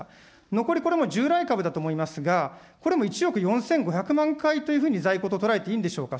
残りこれ従来株だと思いますが、これも１億４５００万回というふうに、在庫と捉えていいんでしょうか。